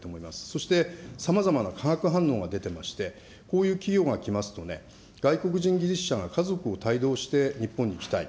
そしてさまざまな化学反応が出ていまして、こういう企業が来ますとね、外国人技術者が家族を帯同して日本に来たい。